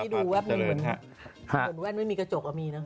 ที่ดูแบบนึงเหมือนแว่นไม่มีกระจกอ่ะมีนะครับ